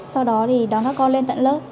sau đó thì đón các con lên tận lớp